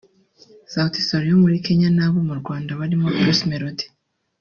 Sauti Sol yo muri Kenya n’abo mu Rwanda barimo Bruce Melodie